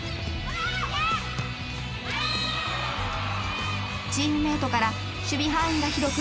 ［チームメートから守備範囲が広く］